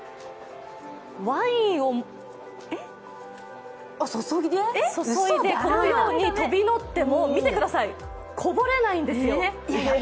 ワインを注いで、このように飛び乗ってもこぼれないんですよ。